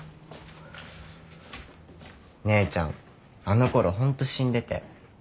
姉ちゃんあのころホント死んでて。